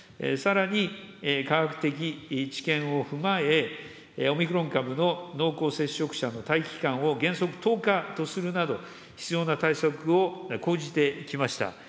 さらに科学的知見を踏まえ、オミクロン株の濃厚接触者の待機期間を原則１０日とするなど、必要な対策を講じてきました。